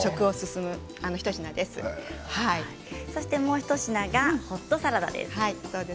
もう一品がホットサラダです。